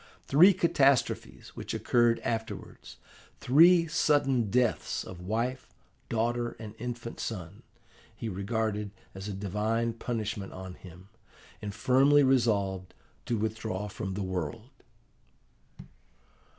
Three catastrophes which occurred afterwards, three sudden deaths of wife, daughter, and infant son, he regarded as a divine punishment on him, and firmly resolved to withdraw from the world.